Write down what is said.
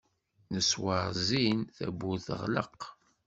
Leswar zzin, tawwurt teɣleq.